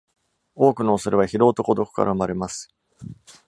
多くの恐れは、疲労と孤独から生まれます。